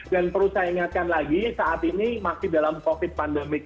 dan perlu saya ingatkan lagi saat ini masih dalam covid pandemic